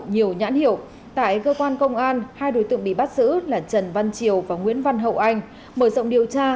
nhiều nhãn hiệu tại cơ quan công an hai đối tượng bị bắt giữ là trần văn triều và nguyễn văn hậu anh mở rộng điều tra